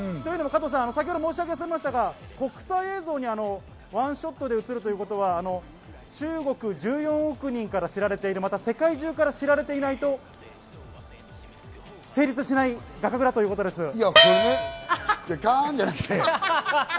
加藤さん、先ほど申し上げましたが、国際映像にワンショットで映るということは中国１４億人から知られている、また世界中から知られていないと成立しない画角だということです。